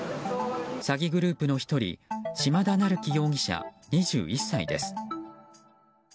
詐欺グループの１人島田匠輝容疑者、２１歳です。